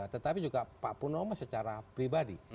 tetapi juga pak pur nomo secara pribadi